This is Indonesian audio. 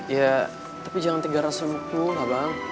ya tapi jangan tinggal rasa muku lah bang